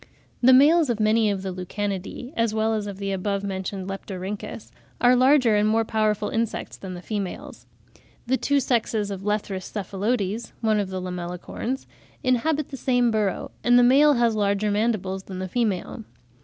The males of many of the Lucanidae, as well as of the above mentioned Leptorhynchus, are larger and more powerful insects than the females. The two sexes of Lethrus cephalotes (one of the Lamellicorns) inhabit the same burrow; and the male has larger mandibles than the female.